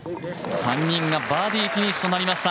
３人がバーディーフィニッシュとなりました。